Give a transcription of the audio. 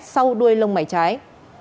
sau đuôi lông mái trái